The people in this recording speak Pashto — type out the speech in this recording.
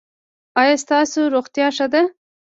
ایا ستاسو روغتیا ښه ده؟